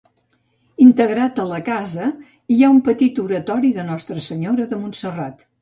Integrat a la casa hi ha un petit oratori de Nostra Senyora de Montserrat.